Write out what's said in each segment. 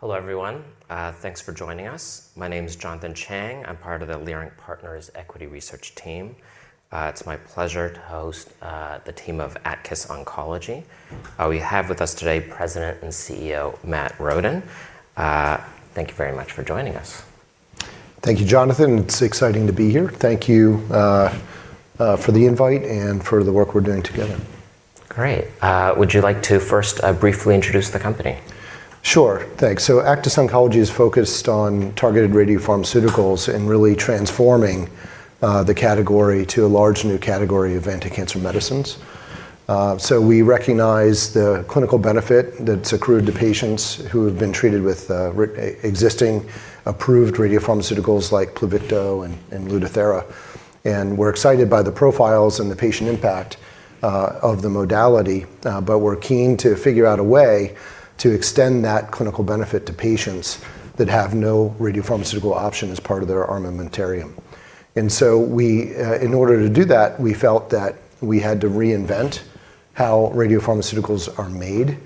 Hello, everyone. Thanks for joining us. My name is Jonathan Chang. I'm part of the Leerink Partners Equity Research Team. It's my pleasure to host the team of Aktis Oncology. We have with us today President and CEO, Matt Roden. Thank you very much for joining us. Thank you, Jonathan. It's exciting to be here. Thank you for the invite and for the work we're doing together. Great. Would you like to first briefly introduce the company? Sure. Thanks. Aktis Oncology is focused on targeted radiopharmaceuticals and really transforming the category to a large new category of anti-cancer medicines. We recognize the clinical benefit that's accrued to patients who have been treated with existing approved radiopharmaceuticals like Pluvicto and Lutathera. We're excited by the profiles and the patient impact of the modality, but we're keen to figure out a way to extend that clinical benefit to patients that have no radiopharmaceutical option as part of their armamentarium. In order to do that, we felt that we had to reinvent how radiopharmaceuticals are made.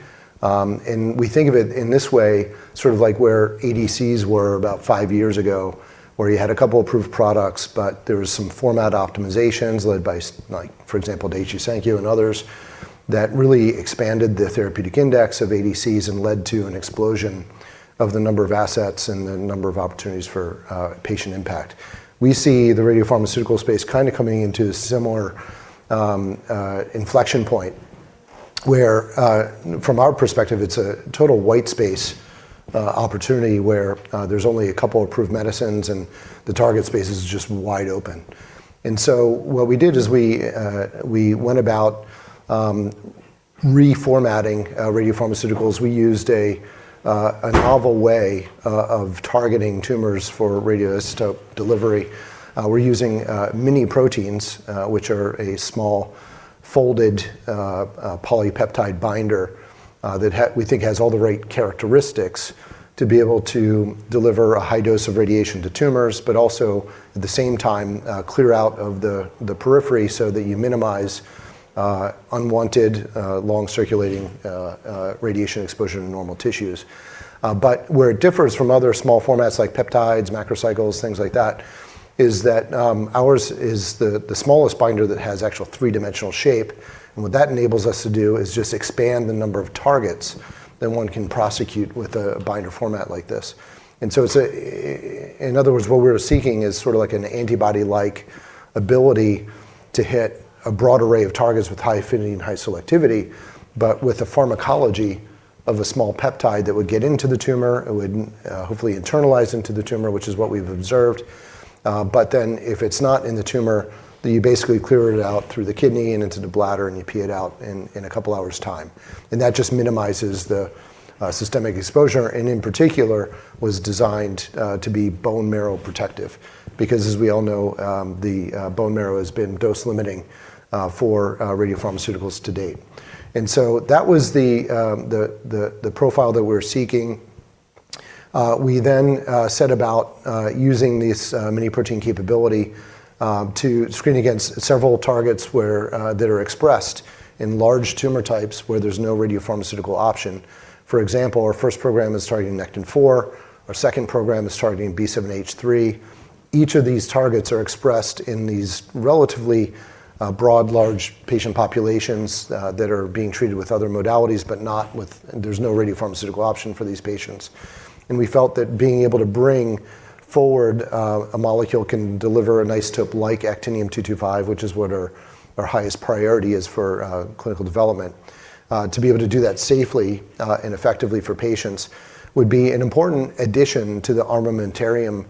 We think of it in this way, sort of like where ADCs were about five years ago, where you had a couple approved products, but there was some format optimizations led by like, for example, Daiichi Sankyo and others, that really expanded the therapeutic index of ADCs and led to an explosion of the number of assets and the number of opportunities for patient impact. We see the radiopharmaceutical space kind of coming into a similar inflection point, where from our perspective, it's a total white space opportunity where there's only a couple approved medicines and the target space is just wide open. What we did is we went about reformatting radiopharmaceuticals. We used a novel way of targeting tumors for radioisotope delivery. We're using mini-proteins, which are a small folded polypeptide binder, that we think has all the right characteristics to be able to deliver a high dose of radiation to tumors, but also at the same time, clear out of the periphery so that you minimize unwanted long circulating radiation exposure in normal tissues. Where it differs from other small formats like peptides, macrocycles, things like that, is that ours is the smallest binder that has actual three-dimensional shape. What that enables us to do is just expand the number of targets that one can prosecute with a binder format like this. In other words, what we're seeking is sort of like an antibody-like ability to hit a broad array of targets with high affinity and high selectivity, but with the pharmacology of a small peptide that would get into the tumor, it would hopefully internalize into the tumor, which is what we've observed. If it's not in the tumor, then you basically clear it out through the kidney and into the bladder, and you pee it out in a couple of hours' time. That just minimizes the systemic exposure, and in particular, was designed to be bone marrow protective. As we all know, the bone marrow has been dose-limiting for radiopharmaceuticals to date. That was the profile that we're seeking. We then set about using this miniprotein capability to screen against several targets where, that are expressed in large tumor types where there's no radiopharmaceutical option. For example, our first program is targeting Nectin-4, our second program is targeting B7-H3. Each of these targets are expressed in these relatively broad, large patient populations that are being treated with other modalities, but There's no radiopharmaceutical option for these patients. We felt that being able to bring forward a molecule can deliver an isotope like Actinium-225, which is what our highest priority is for clinical development. To be able to do that safely and effectively for patients would be an important addition to the armamentarium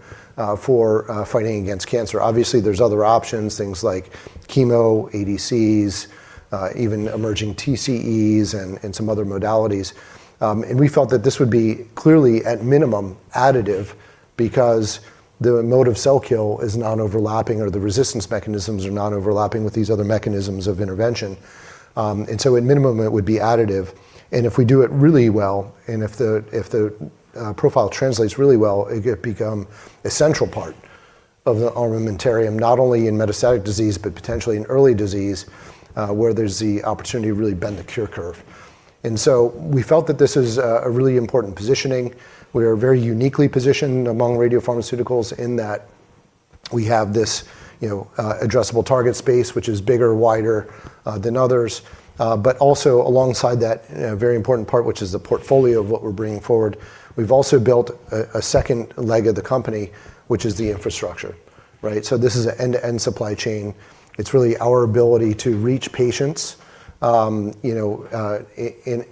for fighting against cancer. Obviously, there's other options, things like chemo, ADCs, even emerging TCEs and some other modalities. We felt that this would be clearly at minimum additive because the mode of cell kill is non-overlapping or the resistance mechanisms are non-overlapping with these other mechanisms of intervention. At minimum, it would be additive. If we do it really well, and if the profile translates really well, it could become a central part of the armamentarium, not only in metastatic disease, but potentially in early disease, where there's the opportunity to really bend the cure curve. We felt that this is a really important positioning. We are very uniquely positioned among radiopharmaceuticals in that we have this, you know, addressable target space, which is bigger, wider, than others. Also alongside that, a very important part, which is the portfolio of what we're bringing forward. We've also built a second leg of the company, which is the infrastructure, right? This is an end-to-end supply chain. It's really our ability to reach patients, you know, in,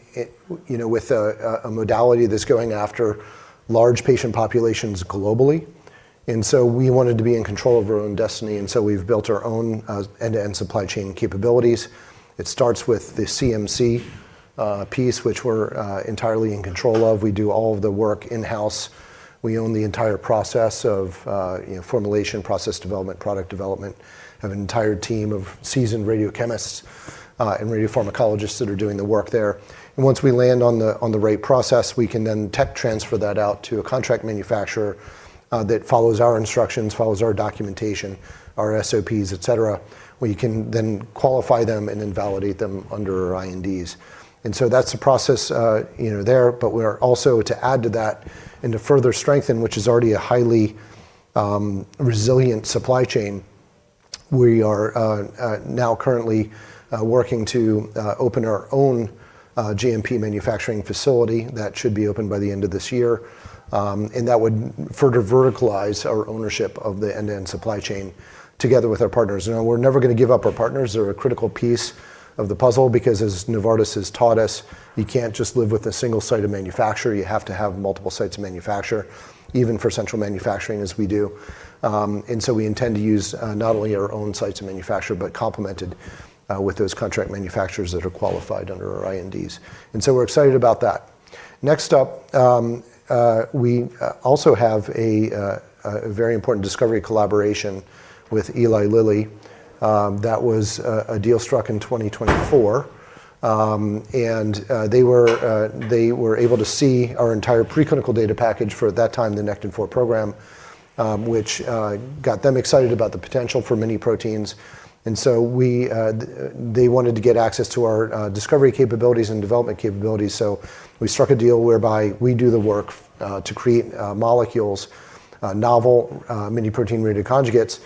you know, with a modality that's going after large patient populations globally. We wanted to be in control of our own destiny, and so we've built our own end-to-end supply chain capabilities. It starts with the CMC piece, which we're entirely in control of. We do all of the work in-house. We own the entire process of, you know, formulation, process development, product development. Have an entire team of seasoned radiochemists and radiopharmacologists that are doing the work there. Once we land on the, on the right process, we can then tech transfer that out to a contract manufacturer, that follows our instructions, follows our documentation, our SOPs, et cetera. We can then qualify them and then validate them under INDs. That's the process, you know, there. We are also to add to that and to further strengthen, which is already a highly a resilient supply chain. We are now currently working to open our own GMP manufacturing facility that should be open by the end of this year. That would further verticalize our ownership of the end-to-end supply chain together with our partners. We're never gonna give up our partners. They're a critical piece of the puzzle because as Novartis has taught us, you can't just live with a single site of manufacture. You have to have multiple sites of manufacture, even for central manufacturing as we do. We intend to use not only our own sites of manufacture, but complemented with those contract manufacturers that are qualified under our INDs. We're excited about that. Next up, we also have a very important discovery collaboration with Eli Lilly, that was a deal struck in 2024. They were able to see our entire preclinical data package for, at that time, the Nectin-4 program, which got them excited about the potential for miniproteins. We, they wanted to get access to our discovery capabilities and development capabilities, so we struck a deal whereby we do the work to create molecules, novel miniprotein radioconjugates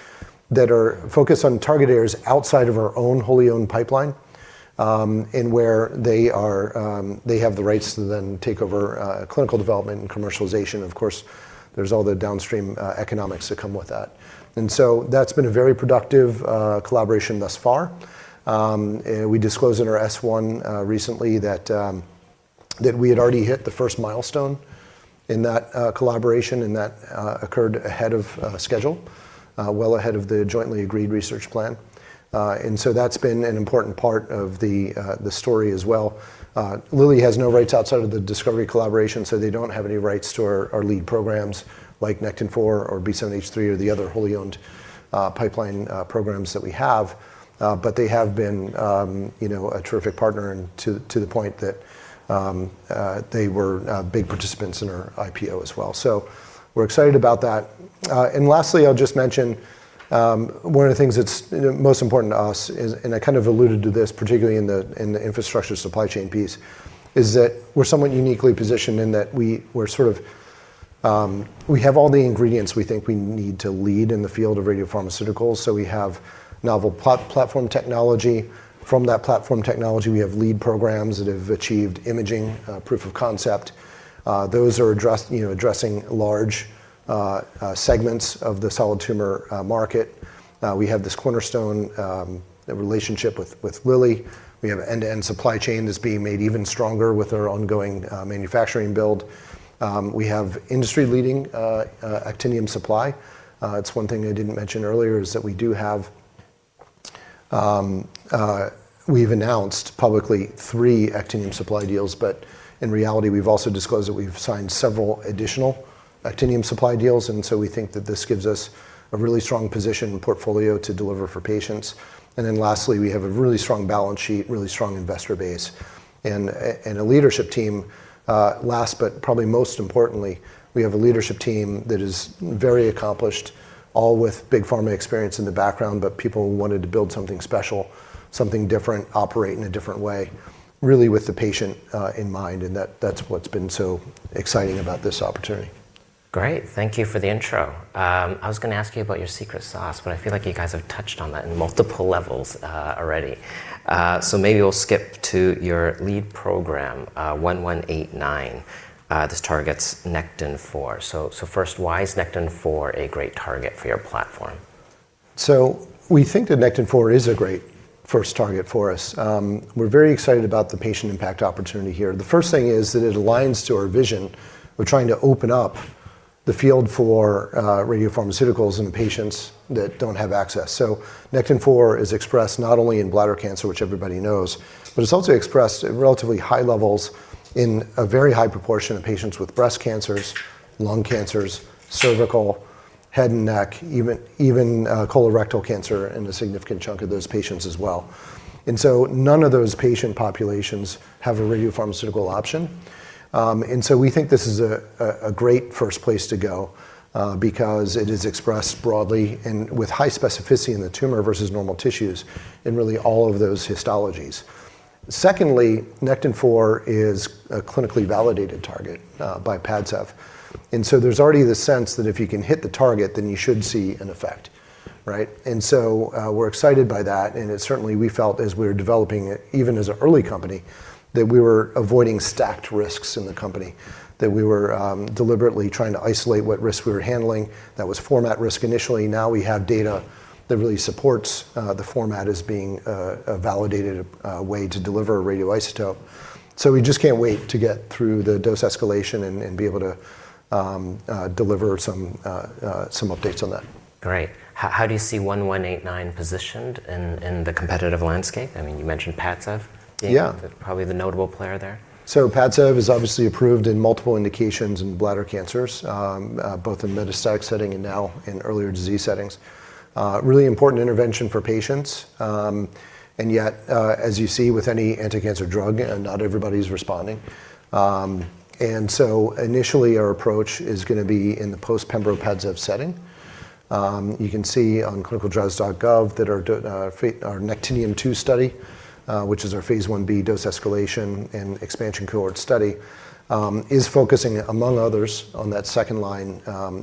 that are focused on target areas outside of our own wholly owned pipeline, and where they are, they have the rights to then take over clinical development and commercialization. Of course, there's all the downstream economics that come with that. That's been a very productive collaboration thus far. We disclosed in our S-1 recently that we had already hit the first milestone in that collaboration, and that occurred ahead of schedule, well ahead of the jointly agreed research plan. That's been an important part of the story as well. Lilly has no rights outside of the discovery collaboration. They don't have any rights to our lead programs like Nectin-4 or B7-H3 or the other wholly owned pipeline programs that we have. They have been, you know, a terrific partner and to the point that they were big participants in our IPO as well. We're excited about that. Lastly, I'll just mention, one of the things that's, you know, most important to us is, and I kind of alluded to this particularly in the, in the infrastructure supply chain piece, is that we're somewhat uniquely positioned in that we're sort of, we have all the ingredients we think we need to lead in the field of radiopharmaceuticals. We have novel platform technology. From that platform technology, we have lead programs that have achieved imaging proof of concept. Those are you know, addressing large segments of the solid tumor market. We have this cornerstone relationship with Lilly. We have end-to-end supply chain that's being made even stronger with our ongoing manufacturing build. We have industry-leading actinium supply. It's one thing I didn't mention earlier is that we do have, we've announced publicly three actinium supply deals, but in reality, we've also disclosed that we've signed several additional actinium supply deals. We think that this gives us a really strong position and portfolio to deliver for patients. Lastly, we have a really strong balance sheet, really strong investor base, and a leadership team, last but probably most importantly, we have a leadership team that is very accomplished, all with big pharma experience in the background, but people who wanted to build something special, something different, operate in a different way, really with the patient in mind, that's what's been so exciting about this opportunity. Great. Thank you for the intro. I was gonna ask you about your secret sauce, but I feel like you guys have touched on that in multiple levels already. Maybe we'll skip to your lead program, 1189. This targets Nectin-4. First, why is Nectin-4 a great target for your platform? We think that Nectin-4 is a great first target for us. We're very excited about the patient impact opportunity here. The first thing is that it aligns to our vision. We're trying to open up the field for radiopharmaceuticals in patients that don't have access. Nectin-4 is expressed not only in bladder cancer, which everybody knows, but it's also expressed at relatively high levels in a very high proportion of patients with breast cancers, lung cancers, cervical, head and neck, even colorectal cancer in a significant chunk of those patients as well. None of those patient populations have a radiopharmaceutical option. We think this is a great first place to go because it is expressed broadly and with high specificity in the tumor versus normal tissues in really all of those histologies. Secondly, Nectin-4 is a clinically validated target by Padcev. There's already this sense that if you can hit the target, then you should see an effect, right? We're excited by that, and it certainly we felt as we were developing it, even as an early company, that we were avoiding stacked risks in the company, that we were deliberately trying to isolate what risks we were handling. That was format risk initially. Now we have data that really supports the format as being a validated way to deliver a radioisotope. We just can't wait to get through the dose escalation and be able to deliver some updates on that. Great. How do you see 1189 positioned in the competitive landscape? I mean, you mentioned Padcev. Yeah. Probably the notable player there. Padcev is obviously approved in multiple indications in bladder cancers, both in metastatic setting and now in earlier disease settings. Really important intervention for patients, and yet, as you see with any anticancer drug, not everybody's responding. Initially, our approach is gonna be in the post-pembrolizumab Padcev setting. You can see on ClinicalTrials.gov that our Actinium-two study, which is our phase I-B dose escalation and expansion cohort study, is focusing among others on that second line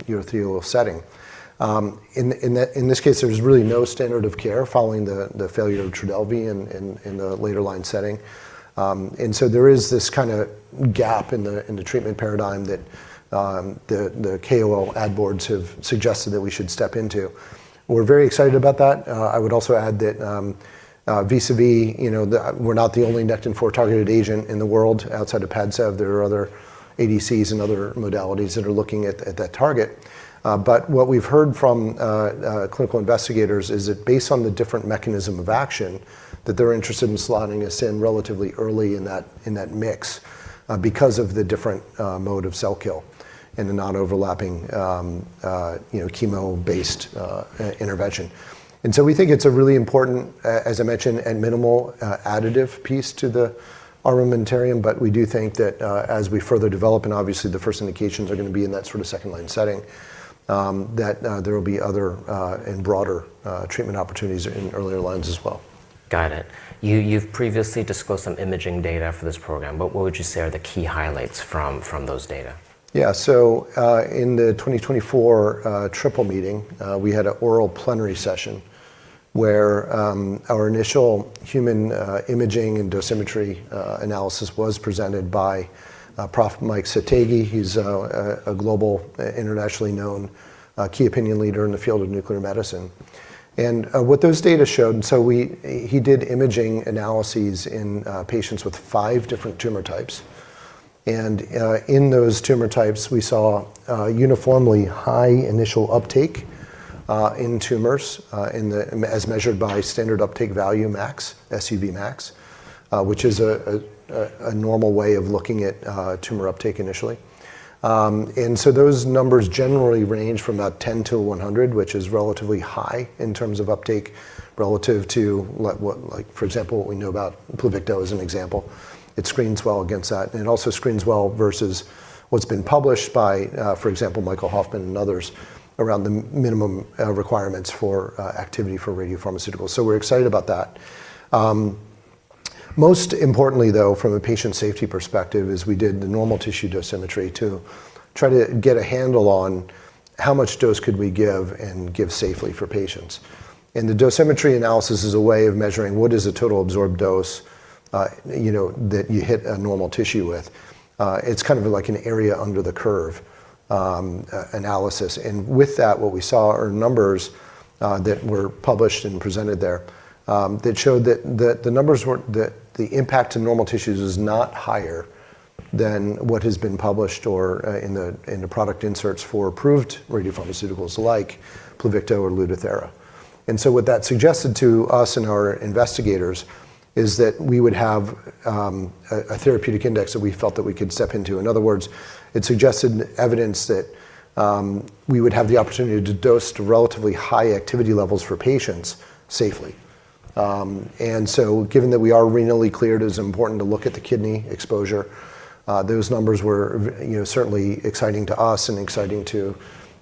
urothelial setting. In this case, there's really no standard of care following the failure of Trodelvy in the later line setting. There is this kinda gap in the treatment paradigm that the KOL ad boards have suggested that we should step into. We're very excited about that. I would also add that, vis-a-vis, you know, we're not the only Nectin-4-targeted agent in the world outside of Padcev. There are other ADCs and other modalities that are looking at that target. What we've heard from clinical investigators is that based on the different mechanism of action that they're interested in slotting us in relatively early in that mix, because of the different mode of cell kill and the non-overlapping, you know, chemo-based intervention. We think it's a really important, as I mentioned, and minimal, additive piece to the armamentarium, but we do think that, as we further develop, and obviously the first indications are going to be in that sort of second line setting, that, there will be other, and broader, treatment opportunities in earlier lines as well. Got it. You've previously disclosed some imaging data for this program, what would you say are the key highlights from those data? Yeah. In the 2024 Triple Meeting, we had an oral plenary session where our initial human imaging and dosimetry analysis was presented by Professor Mike Sathekge. He's a global, internationally known key opinion leader in the field of nuclear medicine. What those data showed. He did imaging analyses in patients with 5 different tumor types. In those tumor types, we saw uniformly high initial uptake in tumors as measured by standard uptake value max, SUVmax, which is a normal way of looking at tumor uptake initially. Those numbers generally range from about 10-100, which is relatively high in terms of uptake relative to what, for example, what we know about Pluvicto as an example. It screens well against that, and it also screens well versus what's been published by, for example, Michael Hofman and others around the minimum requirements for activity for radiopharmaceuticals. We're excited about that. Most importantly, though, from a patient safety perspective is we did the normal tissue dosimetry to try to get a handle on how much dose could we give and give safely for patients. The dosimetry analysis is a way of measuring what is the total absorbed dose, you know, that you hit a normal tissue with. It's kind of like an area under the curve analysis. With that, what we saw are numbers that were published and presented there that showed that the impact to normal tissues was not higher than what has been published or in the product inserts for approved radiopharmaceuticals like Pluvicto or Lutathera. What that suggested to us and our investigators is that we would have a therapeutic index that we felt that we could step into. In other words, it suggested evidence that we would have the opportunity to dose to relatively high activity levels for patients safely. Given that we are renally cleared, it's important to look at the kidney exposure. Those numbers were, you know, certainly exciting to us and exciting to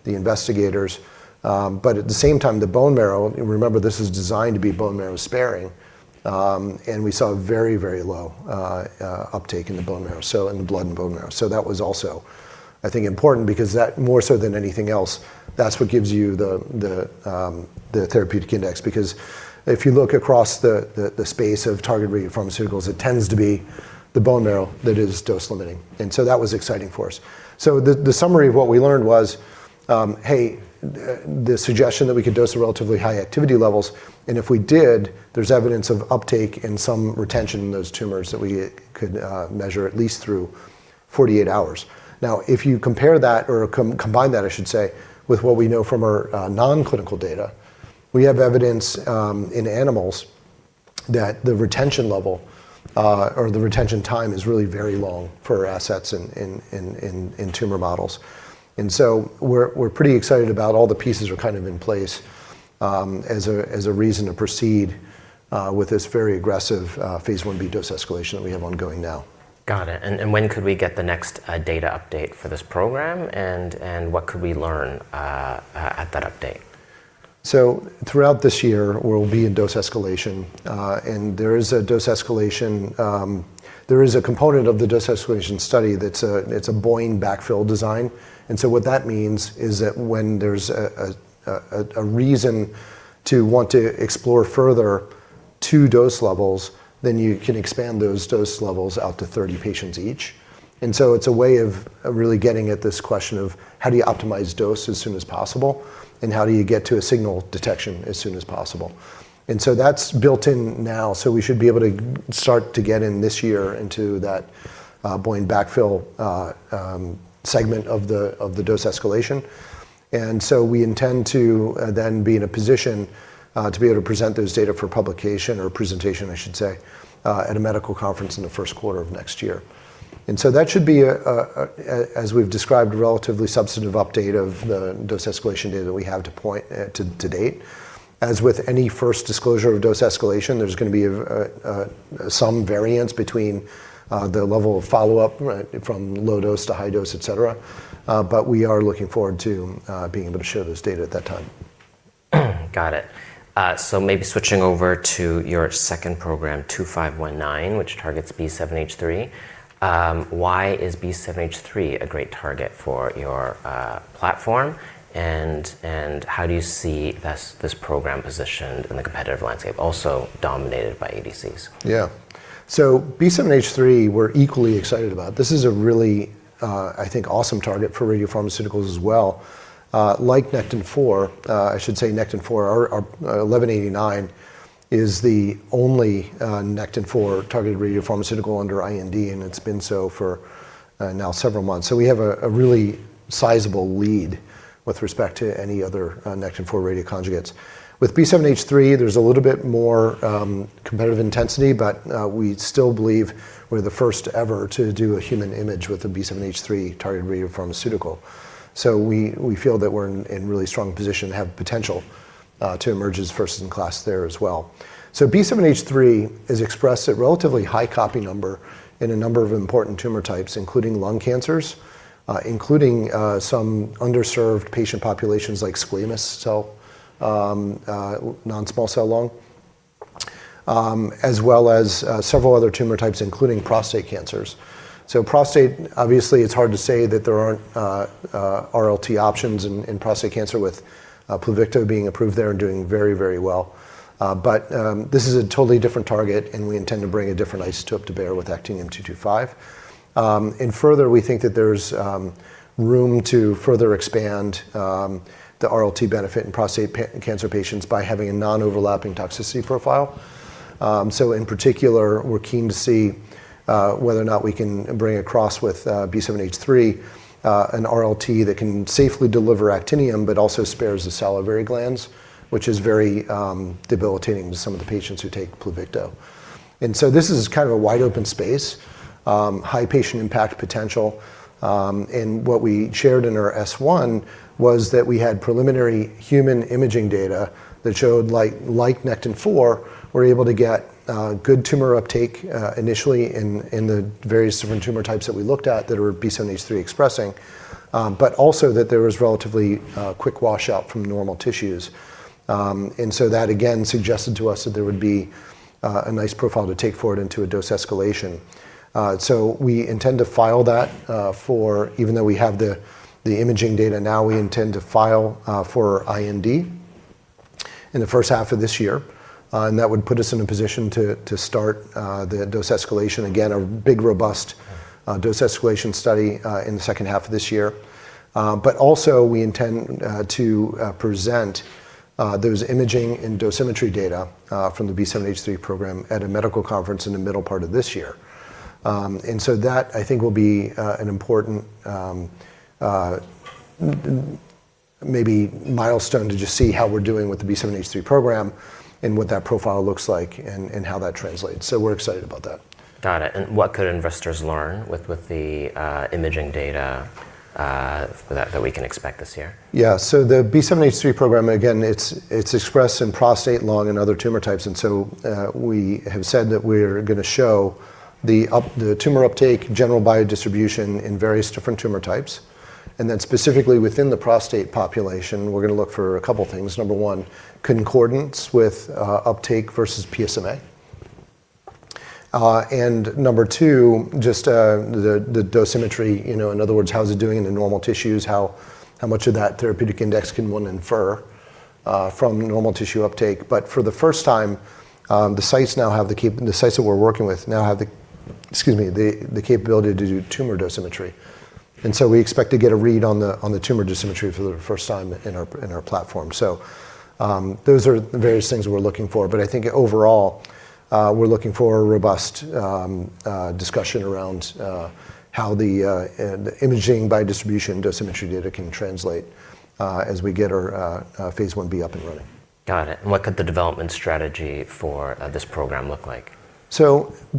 the investigators. At the same time, the bone marrow. Remember, this is designed to be bone marrow sparing. We saw a very, very low uptake in the bone marrow, so in the blood and bone marrow. That was also, I think, important because that, more so than anything else, that's what gives you the therapeutic index. If you look across the space of targeted radiopharmaceuticals, it tends to be the bone marrow that is dose limiting. That was exciting for us. The summary of what we learned was, hey, the suggestion that we could dose to relatively high activity levels, and if we did, there's evidence of uptake and some retention in those tumors that we could measure at least through 48 hours. If you compare that or combine that, I should say, with what we know from our non-clinical data, we have evidence in animals that the retention level or the retention time is really very long for assets in tumor models. We're pretty excited about all the pieces are kind of in place as a reason to proceed with this very aggressive phase I-B dose escalation that we have ongoing now. Got it. When could we get the next data update for this program? What could we learn at that update? Throughout this year, we'll be in dose escalation. There is a component of the dose escalation study that's a BOIN backfill design. What that means is that when there's a reason to want to explore further two dose levels, then you can expand those dose levels out to 30 patients each. It's a way of really getting at this question of how do you optimize dose as soon as possible, and how do you get to a signal detection as soon as possible? That's built in now, so we should be able to start to get in this year into that BOIN backfill segment of the dose escalation. We intend to then be in a position to be able to present those data for publication or presentation, I should say, at a medical conference in the first quarter of next year. That should be as we've described, a relatively substantive update of the dose escalation data that we have to date. As with any first disclosure of dose escalation, there's gonna be some variance between the level of follow-up, right, from low dose to high dose, et cetera. We are looking forward to being able to show those data at that time. Got it. Maybe switching over to your second program, 2519, which targets B7-H3. Why is B7-H3 a great target for your platform? How do you see this program positioned in the competitive landscape also dominated by ADCs? Yeah. B7-H3 we're equally excited about. This is a really, I think, awesome target for radiopharmaceuticals as well. Like Nectin-4, I should say Nectin-4 or 1189 is the only Nectin-4 targeted radiopharmaceutical under IND, and it's been so for now several months. We have a really sizable lead with respect to any other Nectin-4 radioconjugates. With B7-H3, there's a little bit more competitive intensity, but we still believe we're the first ever to do a human image with a B7-H3 targeted radiopharmaceutical. We feel that we're in really strong position to have potential to emerge as first in class there as well. B7-H3 is expressed at relatively high copy number in a number of important tumor types, including lung cancers, including some underserved patient populations like squamous cell, non-small cell lung, as well as several other tumor types, including prostate cancers. Prostate, obviously, it's hard to say that there aren't RLT options in prostate cancer with Pluvicto being approved there and doing very, very well. This is a totally different target, and we intend to bring a different isotope to bear with Actinium-225. Further, we think that there's room to further expand the RLT benefit in prostate cancer patients by having a non-overlapping toxicity profile. In particular, we're keen to see whether or not we can bring across with B7-H3 an RLT that can safely deliver actinium, but also spares the salivary glands, which is very debilitating to some of the patients who take Pluvicto. This is kind of a wide-open space, high patient impact potential. What we shared in our S-1 was that we had preliminary human imaging data that showed, like Nectin-4, we're able to get good tumor uptake initially in the various different tumor types that we looked at that were B7-H3 expressing. Also that there was relatively quick washout from normal tissues. That again suggested to us that there would be a nice profile to take forward into a dose escalation. We intend to file that, even though we have the imaging data now, we intend to file for IND in the first half of this year, and that would put us in a position to start the dose escalation. Again, a big, robust dose escalation study in the second half of this year. Also, we intend to present those imaging and dosimetry data from the B7-H3 program at a medical conference in the middle part of this year. That I think will be an important maybe milestone to just see how we're doing with the B7-H3 program and what that profile looks like and how that translates. We're excited about that. Got it. What could investors learn with the imaging data that we can expect this year? The B7-H3 program, again, it's expressed in prostate, lung, and other tumor types. We have said that we're gonna show the tumor uptake, general biodistribution in various different tumor types. Specifically within the prostate population, we're gonna look for a couple things. Number one, concordance with uptake versus PSMA. Number two, just the dosimetry, you know, in other words, how is it doing in the normal tissues? How much of that therapeutic index can one infer from normal tissue uptake? For the first time, the sites now have the sites that we're working with now have the capability to do tumor dosimetry. We expect to get a read on the tumor dosimetry for the first time in our platform. Those are the various things we're looking for. I think overall, we're looking for a robust discussion around how the imaging by distribution dosimetry data can translate as we get our phase I-B up and running. Got it. What could the development strategy for this program look like?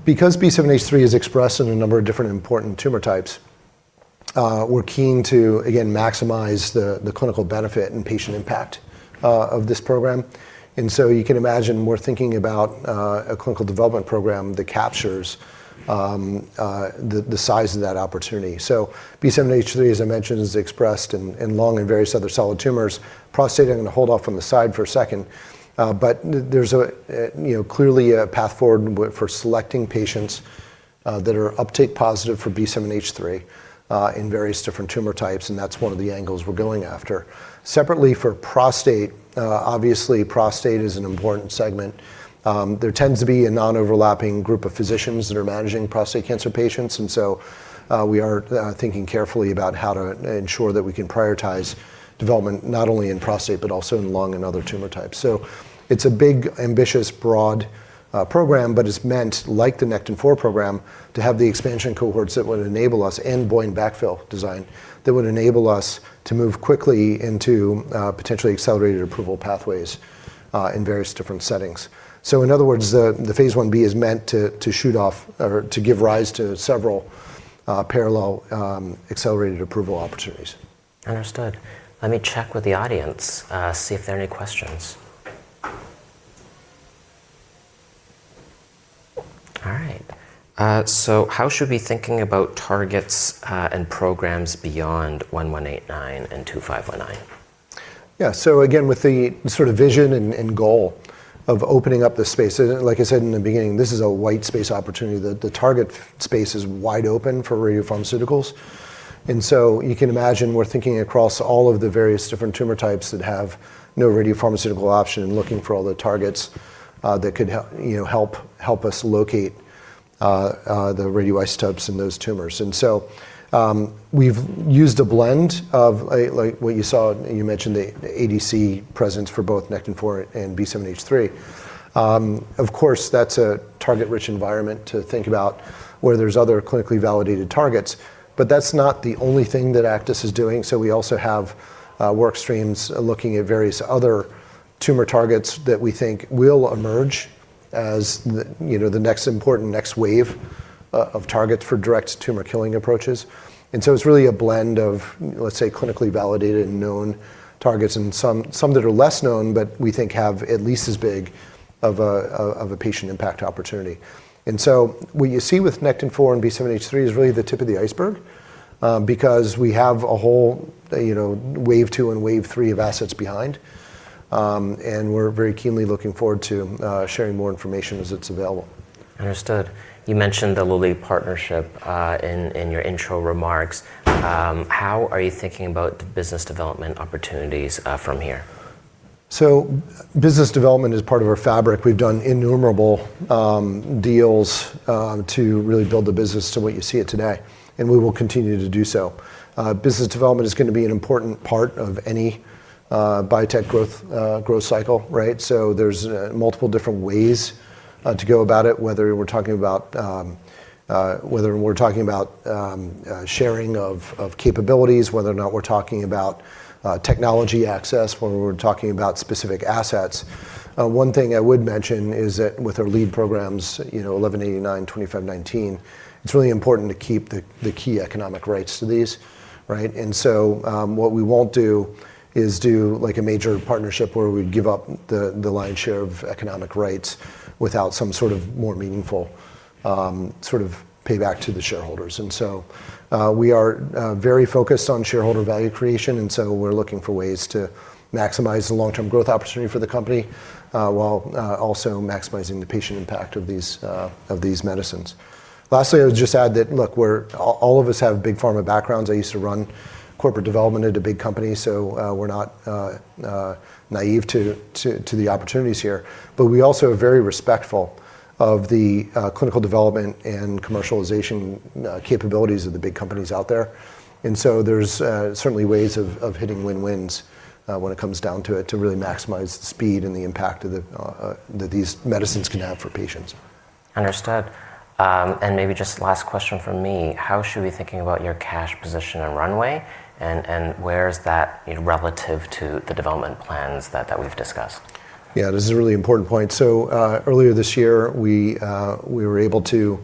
Because B7-H3 is expressed in a number of different important tumor types, we're keen to, again, maximize the clinical benefit and patient impact of this program. You can imagine we're thinking about a clinical development program that captures the size of that opportunity. B7-H3, as I mentioned, is expressed in lung and various other solid tumors. Prostate, I'm gonna hold off on the side for a second. There's a, you know, clearly a path forward for selecting patients that are uptake positive for B7-H3 in various different tumor types, and that's one of the angles we're going after. Separately for prostate, obviously prostate is an important segment. There tends to be a non-overlapping group of physicians that are managing prostate cancer patients. We are thinking carefully about how to ensure that we can prioritize development not only in prostate, but also in lung and other tumor types. It's a big, ambitious, broad program, but it's meant, like the Nectin-4 program, to have the expansion cohorts that would enable us, and BOIN backfill design, that would enable us to move quickly into potentially accelerated approval pathways in various different settings. In other words, the phase I-B is meant to shoot off or to give rise to several parallel accelerated approval opportunities. Understood. Let me check with the audience, see if there are any questions. How should we be thinking about targets, and programs beyond 1189 and 2519? Again, with the sort of vision and goal of opening up the space, like I said in the beginning, this is a white space opportunity. The target space is wide open for radiopharmaceuticals. You can imagine we're thinking across all of the various different tumor types that have no radiopharmaceutical option and looking for all the targets that could, you know, help us locate the radioisotopes in those tumors. We've used a blend of like what you saw, you mentioned the ADC presence for both Nectin-4 and B7-H3. That's a target-rich environment to think about where there's other clinically validated targets, but that's not the only thing that Aktis is doing. We also have work streams looking at various other tumor targets that we think will emerge as the, you know, the next important next wave of targets for direct tumor killing approaches. It's really a blend of, let's say, clinically validated and known targets and some that are less known, but we think have at least as big of a patient impact opportunity. What you see with Nectin-4 and B7-H3 is really the tip of the iceberg because we have a whole, you know, wave 2 and wave 3 of assets behind. We're very keenly looking forward to sharing more information as it's available. Understood. You mentioned the Lilly partnership, in your intro remarks. How are you thinking about the business development opportunities, from here? Business development is part of our fabric. We've done innumerable deals to really build the business to what you see it today, and we will continue to do so. Business development is gonna be an important part of any biotech growth cycle, right? There's multiple different ways to go about it, whether we're talking about sharing of capabilities, whether or not we're talking about technology access, whether we're talking about specific assets. One thing I would mention is that with our lead programs, you know, AKY-1189, AKY-2519, it's really important to keep the key economic rights to these, right? What we won't do is do like a major partnership where we'd give up the lion's share of economic rights without some sort of more meaningful, sort of payback to the shareholders. We are very focused on shareholder value creation, and so we're looking for ways to maximize the long-term growth opportunity for the company, while also maximizing the patient impact of these of these medicines. Lastly, I would just add that, look, all of us have Big Pharma backgrounds. I used to run corporate development at a big company, so we're not naive to the opportunities here. We also are very respectful of the clinical development and commercialization capabilities of the big companies out there. There's certainly ways of hitting win-wins when it comes down to it, to really maximize the speed and the impact of the that these medicines can have for patients. Understood. Maybe just last question from me. How should we be thinking about your cash position and runway, and where is that, you know, relative to the development plans that we've discussed? Yeah, this is a really important point. Earlier this year, we were able to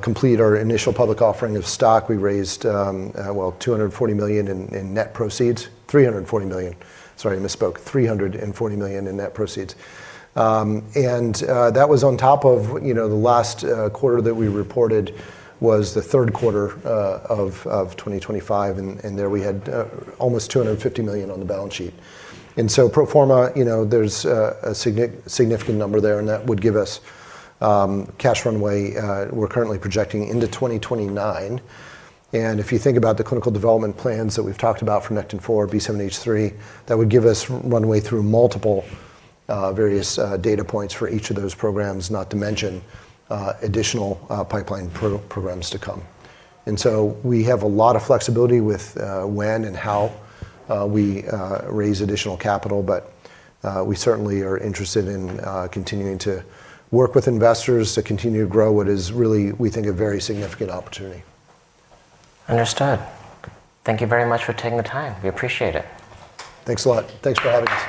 complete our initial public offering of stock. We raised, well, $240 million in net proceeds. $340 million. Sorry, I misspoke. $340 million in net proceeds. That was on top of, you know, the last quarter that we reported was the third quarter of 2025, and there we had almost $250 million on the balance sheet. Pro forma, you know, there's a significant number there, and that would give us cash runway, we're currently projecting into 2029. If you think about the clinical development plans that we've talked about for Nectin-4, B7-H3, that would give us runway through multiple, various data points for each of those programs, not to mention additional pipeline programs to come. We have a lot of flexibility with when and how we raise additional capital. We certainly are interested in continuing to work with investors to continue to grow what is really, we think, a very significant opportunity. Understood. Thank you very much for taking the time. We appreciate it. Thanks a lot. Thanks for having us.